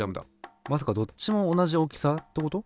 まさかどっちも同じ大きさってこと？